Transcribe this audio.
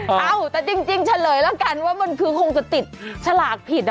เอ้าแต่จริงเฉลยแล้วกันว่ามันคือคงจะติดฉลากผิด